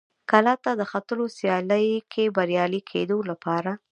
کلا ته د ختلو سیالۍ کې بریالي کېدو لپاره.